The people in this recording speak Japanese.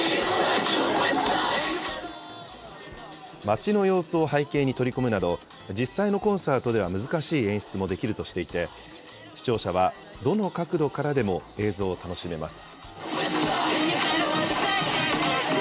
街の様子を背景に取り込むなど、実際のコンサートでは難しい演出もできるとしていて、視聴者はどの角度からでも映像を楽しめます。